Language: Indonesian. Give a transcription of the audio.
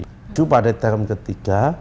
itu pada term ketiga